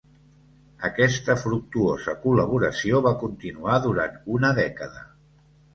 Aquesta fructuosa col·laboració va continuar durant una dècada.